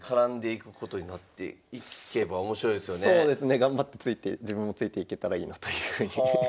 頑張って自分もついていけたらいいなというふうに。